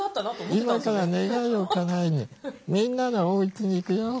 今から願いをかなえにみんなのおうちに行くよ。